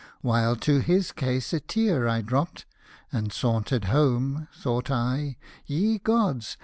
While to his case a tear I dropt, And sauntered home, thought I — ye Gods